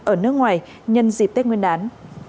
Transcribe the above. ở nước ngoài nhân dịp tết nguyên đán